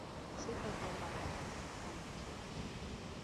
Osiepe go mbaka kanayakla